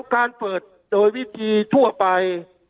การเปิดโดยวิธีทั่วไป